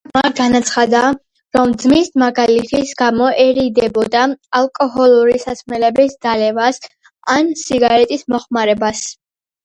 ტრამპმა განაცხადა, რომ ძმის მაგალითის გამო ერიდებოდა ალკოჰოლური სასმელების დალევას ან სიგარეტის მოხმარებას.